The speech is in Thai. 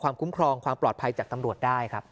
คุ้มครองความปลอดภัยจากตำรวจได้ครับ